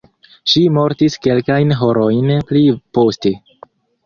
Ŝi mortis kelkajn horojn pli poste.